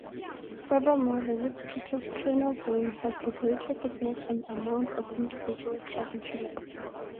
Furthermore, the woodpecker's cranial bone has a greater thickness and amount of individual trabeculae.